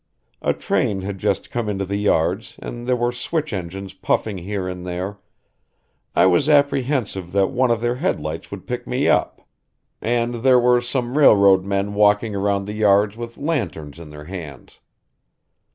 A train had just come into the yards and there were switch engines puffing here and there I was apprehensive that one of their headlights would pick me up. And there were some railroad men walking around the yards with lanterns in their hands.